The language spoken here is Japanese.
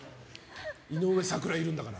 井上咲楽いるんだから。